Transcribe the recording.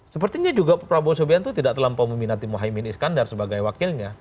sepertinya juga prabowo subianto tidak terlampau meminati mohaimin iskandar sebagai wakilnya